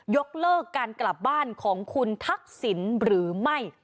ยกเลิกการกลับบ้านของคุณทักษิณหรือไม่